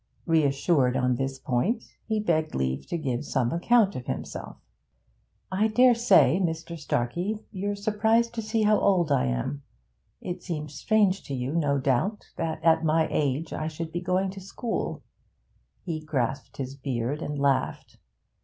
Reassured on this point, he begged leave to give some account of himself. 'I dare say, Mr. Starkey, you're surprised to see how old I am. It seems strange to you, no doubt, that at my age I should be going to school.' He grasped his beard and laughed.